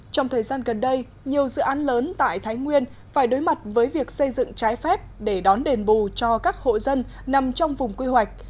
trong thời gian gần đây nhiều dự án lớn tại thái nguyên phải đối mặt với việc xây dựng trái phép để đón đền bù cho các hộ dân nằm trong vùng quy hoạch